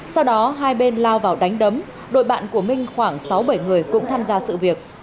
sau đó hai bên lao vào đánh đấm đội bạn của minh khoảng sáu bảy người cũng tham gia sự việc